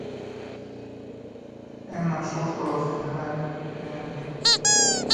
Emma şol sowal senden aýrylyp gitmeýän eken.